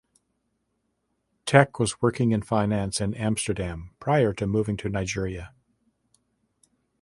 Tec was working in finance in Amsterdam prior to moving to Nigeria.